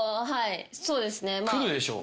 来るでしょ？